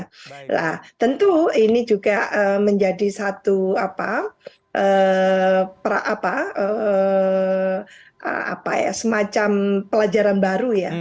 nah tentu ini juga menjadi satu semacam pelajaran baru ya